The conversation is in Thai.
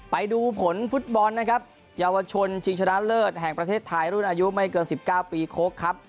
ไปดูผลฟุตบอลนะครับเยาวชนชิงชนะเลิศแห่งประเทศไทยรุ่นอายุไม่เกิน๑๙ปีโค้กครับ